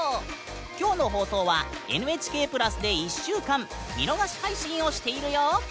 きょうの放送は「ＮＨＫプラス」で１週間見逃し配信をしているよ！